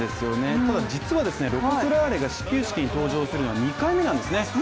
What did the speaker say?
ただ実はロコ・ソラーレが始球式に登場するのは２回目なんですよね。